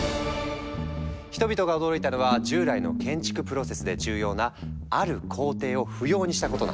人々が驚いたのは従来の建築プロセスで重要なある工程を不要にしたことなんだ。